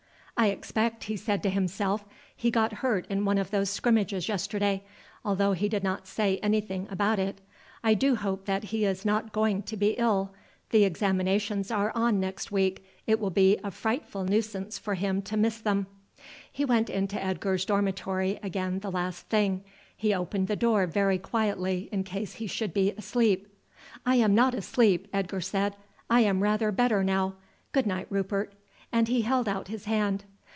"I expect," he said to himself, "he got hurt in one of those scrimmages yesterday, although he did not say anything about it. I do hope that he is not going to be ill. The examinations are on next week, it will be a frightful nuisance for him to miss them." He went into Edgar's dormitory again the last thing. He opened the door very quietly in case he should be asleep. "I am not asleep," Edgar said; "I am rather better now. Good night, Rupert," and he held out his hand.